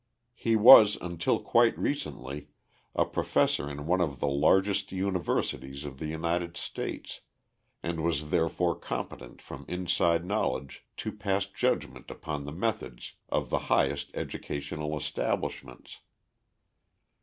He was until quite recently a professor in one of the largest universities of the United States, and was therefore competent from inside knowledge to pass judgment upon the methods of the highest educational establishments.